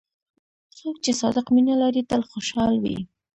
څوک چې صادق مینه لري، تل خوشحال وي.